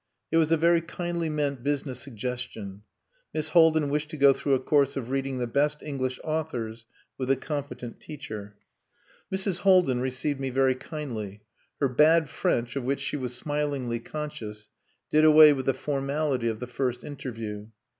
It was a very kindly meant business suggestion. Miss Haldin wished to go through a course of reading the best English authors with a competent teacher. Mrs. Haldin received me very kindly. Her bad French, of which she was smilingly conscious, did away with the formality of the first interview.